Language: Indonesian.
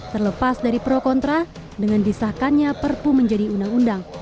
terlepas dari pro kontra dengan disahkannya perpu menjadi undang undang